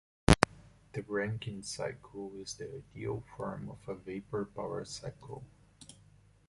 The Rankine cycle is the ideal form of a vapor power cycle.